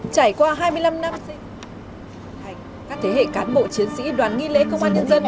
trải qua hai mươi năm năm các thế hệ cán bộ chiến sĩ đoàn nghi lễ công an nhân dân